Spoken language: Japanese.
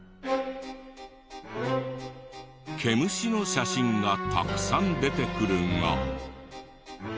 毛虫の写真がたくさん出てくるが。